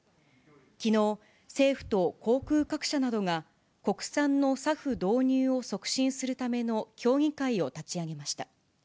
きのう、政府と航空各社などが、国産のサフ導入を促進するための協議会を立ち上げました。